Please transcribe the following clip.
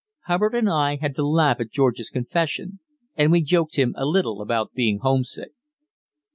Hubbard and I had to laugh at George's confession, and we joked him a little about being homesick.